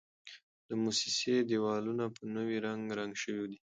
د موسسې دېوالونه په نوي رنګ رنګ شوي دي.